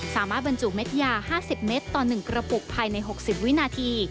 บรรจุเม็ดยา๕๐เมตรต่อ๑กระปุกภายใน๖๐วินาที